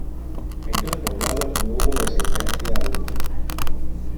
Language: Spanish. En dos poblados no hubo resistencia alguna.